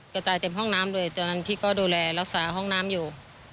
กระจายเต็มห้องน้ำเลยตอนนั้นพี่ก็ดูแลรักษาห้องน้ำอยู่